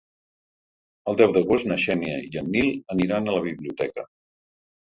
El deu d'agost na Xènia i en Nil aniran a la biblioteca.